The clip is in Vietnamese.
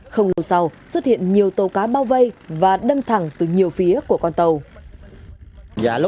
không lâu sau xuất hiện nhiều tàu cá bao vây và đâm thẳng từ nhiều phía của con tàu